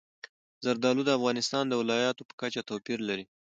زردالو د افغانستان د ولایاتو په کچه توپیر لري.